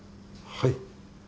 はい。